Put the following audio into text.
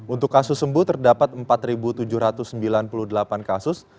untuk kasus sembuh terdapat empat tujuh ratus sembilan puluh delapan kasus